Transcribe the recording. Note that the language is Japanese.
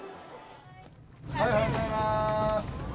おはようございます。